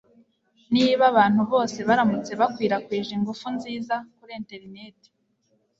niba abantu bose baramutse bakwirakwije ingufu nziza kuri interineti